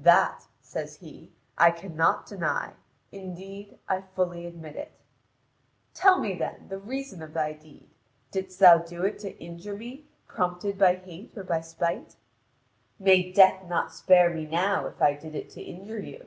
"That," says he, "I cannot deny. Indeed, I fully admit it." "Tell me, then, the reason of thy deed. Didst thou do it to injure me, prompted by hatred or by spite?" "May death not spare me now, if I did it to injure you."